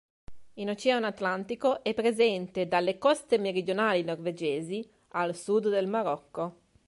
In Oceano Atlantico è presente dalle coste meridionali norvegesi al sud del Marocco.